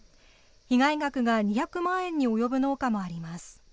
被害額が２００万円に及ぶ農家もあります。